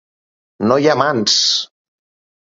No hi ha mans!